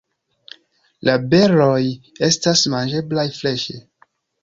La beroj estas manĝeblaj freŝe.